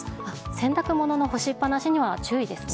洗濯物の干しっ放しには注意ですね。